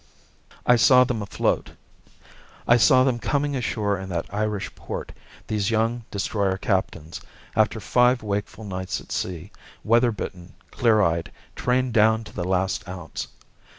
I saw them afloat, I saw them coming ashore in that Irish port, these young destroyer captains, after five wakeful nights at sea, weather bitten, clear eyed, trained down to the last ounce.